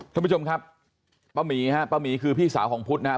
ท่านผู้ชมครับป้าหมีฮะป้าหมีคือพี่สาวของพุทธนะครับ